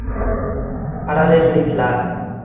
Parallelliklar